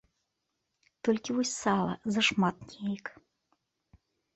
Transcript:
Толькі вось сала зашмат неяк.